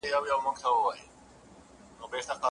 سعیدولي وزیر